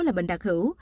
là bệnh đặc hữu